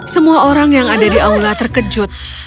semua orang yang ada di aula terkejut